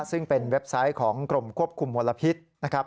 ซึ่งเป็นเว็บไซต์ของกรมควบคุมมลพิษนะครับ